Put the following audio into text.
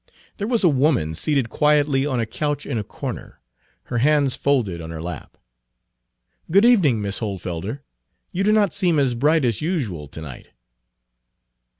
There was a woman seated quietly on a couch in a corner, her hands folded on her lap. "Good evening, Miss Hohlfelder. You do not seem as bright as usual to night."